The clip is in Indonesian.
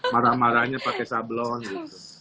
marah marahnya pakai sablon gitu